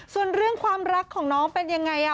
ส่วนเรื่องความรักของน้องเป็นยังไง